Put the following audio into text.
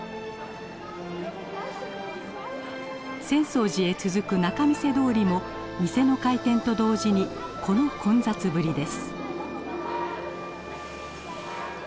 浅草寺へ続く仲見世通りも店の開店と同時にこの混雑ぶりです。